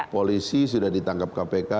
polisi sudah ditangkap kpk